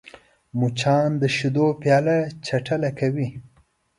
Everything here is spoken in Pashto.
مچان د شیدو پیاله چټله کوي